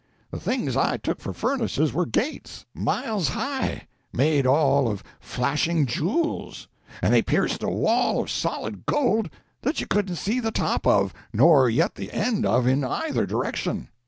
The things I took for furnaces were gates, miles high, made all of flashing jewels, and they pierced a wall of solid gold that you couldn't see the top of, nor yet the end of, in either direction.